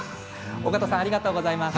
緒方さんありがとうございました。